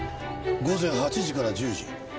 午前８時から１０時？